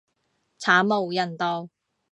慘無人道